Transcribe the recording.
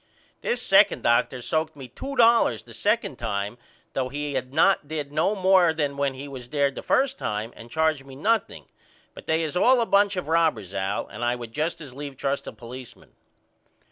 This second Dr. soaked me 2 dollars the 2d time though he had not did no more than when he was there the 1st time and charged me nothing but they is all a bunch of robbers Al and I would just as leave trust a policeman.